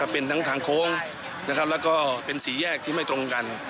เป็นทั้งทางโค้งแล้วก็เป็นสี่แยกที่ไม่ตรงกัน